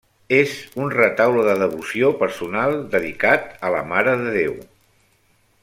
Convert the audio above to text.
És un retaule de devoció personal dedicat a la Mare de Déu.